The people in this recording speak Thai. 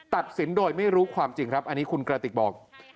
ตัดสินโดยไม่รู้ความจริงครับอันนี้คุณกระติกบอก